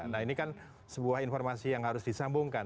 nah ini kan sebuah informasi yang harus disambungkan